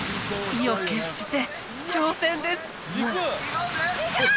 今意を決して挑戦です！